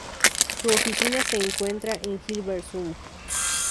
Su oficina se encuentra en Hilversum.